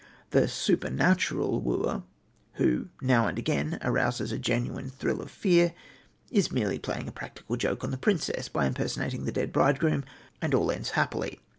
The "supernatural" wooer, who now and again arouses a genuine thrill of fear, is merely playing a practical joke on the princess by impersonating the dead bridegroom, and all ends happily.